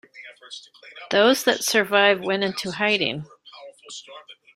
Those that survived went into hiding.